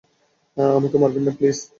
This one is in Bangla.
আমাকে মারবেন না, প্লিজ!